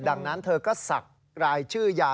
ดังนั้นเธอก็ศักดิ์รายชื่อยา